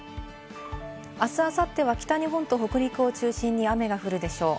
あすあさっては北日本と北陸を中心に雨が降るでしょう。